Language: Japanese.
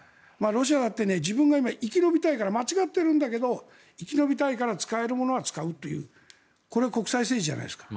ロシアだって自分が今、生き延びたいから間違ってるんだけど生き延びたいから使えるものは使うというこれが国際政治じゃないですか。